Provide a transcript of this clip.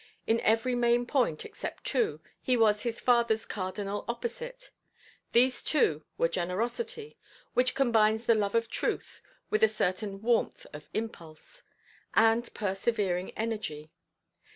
In every main point, except two, he was his fatherʼs cardinal opposite. Those two were generosity (which combines the love of truth with a certain warmth of impulse) and persevering energy.